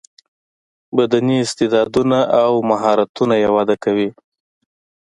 بدني استعداونه او مهارتونه یې وده کوي.